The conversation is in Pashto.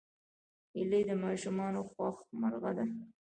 هیلۍ د ماشومانو خوښ مرغه ده